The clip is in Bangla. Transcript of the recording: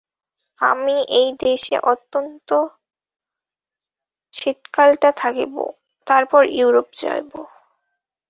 আমি এই দেশে অন্তত শীতকালটা থাকিব, তারপর ইউরোপ যাইব।